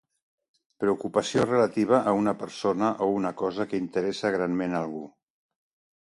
Preocupació relativa a una persona o a una cosa que interessa granment algú.